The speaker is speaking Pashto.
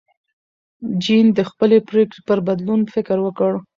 جین د خپلې پرېکړې پر بدلون فکر وکړ.